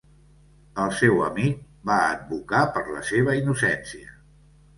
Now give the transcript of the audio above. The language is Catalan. El seu amic va advocar per la seva innocència.